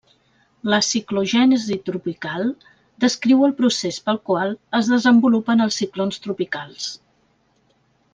La ciclogènesi tropical descriu el procés pel qual es desenvolupen els ciclons tropicals.